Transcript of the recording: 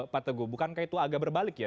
pak teguh bukankah itu agak berbalik ya